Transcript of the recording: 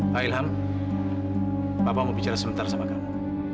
ha ilham papa mau bicara sebentar sama kamu